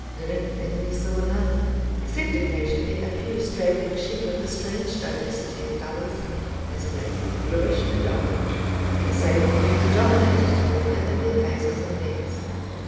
Living thing we saw none, except occasionally a few straggling sheep of a strange diversity of colours, as black, bluish, and orange. The sable hue predominated, however, in their faces and legs.